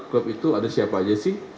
klub itu ada siapa aja sih